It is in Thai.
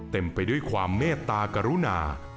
เต็มไปด้วยความเมตตากรุณา